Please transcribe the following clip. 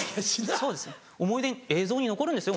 そうです映像に残るんですよ